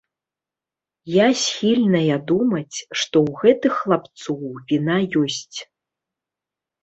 Я схільная думаць, што ў гэтых хлапцоў віна ёсць.